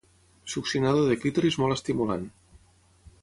Succionador de clítoris molt estimulant.